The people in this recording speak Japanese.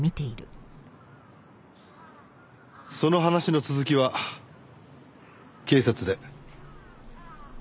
その話の続きは警察で。